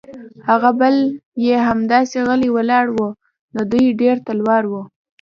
هغه بل یې همداسې غلی ولاړ و، د دوی ډېر تلوار و.